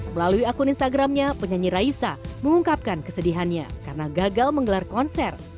melalui akun instagramnya penyanyi raisa mengungkapkan kesedihannya karena gagal menggelar konser